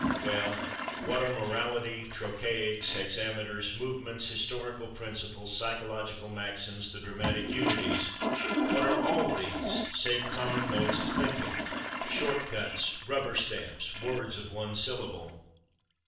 Well, what are morality, trochaics, hexameters, movements, historical principles, psychological maxims, the dramatic unities—what are all these save common modes of thinking, short cuts, rubber stamps, words of one syllable?